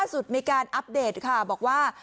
สุดมีการอัปเดตค่ะบอกว่า